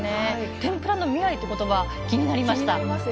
天ぷらの未来ということば気になりました。